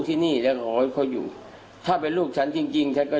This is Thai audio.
ที่นี่ยังรอให้เขาอยู่ถ้าเป็นลูกฉันจริงจริงฉันก็